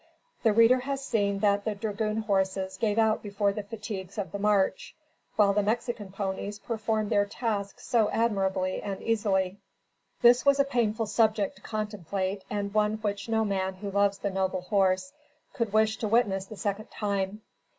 The reader has seen that the dragoon horses gave out before the fatigues of the march, while the Mexican ponies performed their tasks so admirably and easily. This was a painful subject to contemplate and one which no man who loves the noble horse could wish to witness the second time.